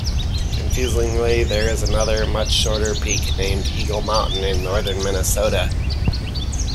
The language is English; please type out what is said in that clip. Confusingly, there is another, much shorter, peak named Eagle Mountain in northern Minnesota.